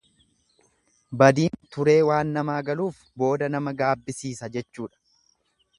Badiin turee waan namaa galuuf booda nama gaabbisiisa jechuudha.